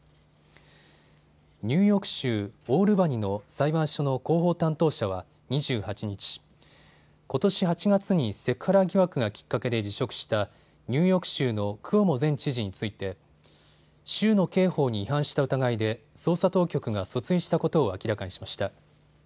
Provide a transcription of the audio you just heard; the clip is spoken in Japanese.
ニューヨーク州オールバニの裁判所の広報担当者は２８日、ことし８月にセクハラ疑惑がきっかけで辞職したニューヨーク州のクオモ前知事について州の刑法に違反した疑いで捜査当局が訴追したことを明らかにしました。